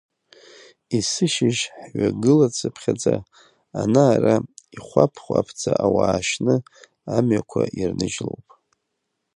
Есышьыжь ҳҩагылацыԥхьаӡа ана-ара, ихәаԥ-хәаԥӡа ауаа шьны амҩақәа ирныжьлоуп…